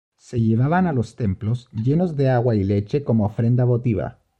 Se llevaban a los templos, llenos de agua y leche, como ofrenda votiva.